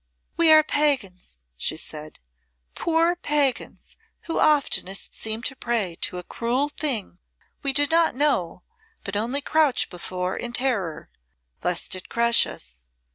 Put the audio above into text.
"We are Pagans," she said, "poor Pagans who oftenest seem to pray to a cruel thing we do not know but only crouch before in terror, lest it crush us.